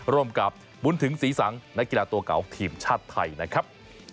ร่วมกับบุญถึงศรีสังนักกีฬาตัวเก่าทีมชาติไทยนะครับ